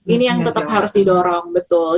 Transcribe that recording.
ini yang tetap harus didorong betul